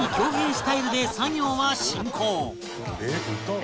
スタイルで作業は進行